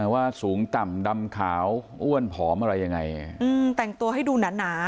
ว่าสูงต่ำดำขาวอ้วนผอมอะไรยังไงแต่งตัวให้ดูหนา